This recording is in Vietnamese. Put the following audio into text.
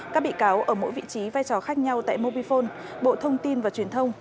các bị cáo ở mỗi vị trí vai trò khác nhau tại mobifone bộ thông tin và truyền thông